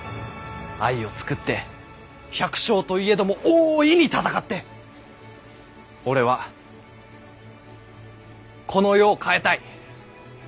藍を作って百姓といえども大いに戦って俺はこの世を変えたい。